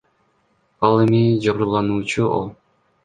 Ал эми жабырлануучу О.